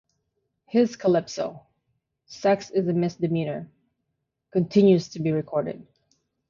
His calypso, "Sex is a Misdemeanor", continues to be recorded.